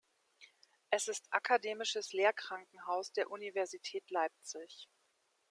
Es ist akademisches Lehrkrankenhaus der Universität Leipzig.